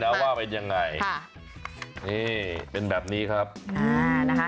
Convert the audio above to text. แล้วว่าเป็นยังไงค่ะนี่เป็นแบบนี้ครับอ่านะคะ